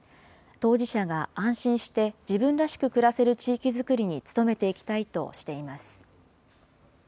当事者が安心して、自分らしく暮らせる地域づくりに努めていきたいとしています。